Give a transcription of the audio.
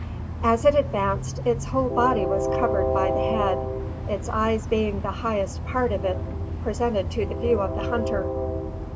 As it advanced, its whole body was covered by the head, its eyes being the highest part of it presented to the view of the hunter.